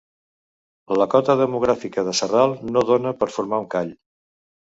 La cota demogràfica de Sarral no donà per formar un call.